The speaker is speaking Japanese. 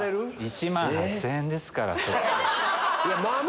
１万８０００円ですから。